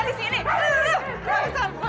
rasar pada tua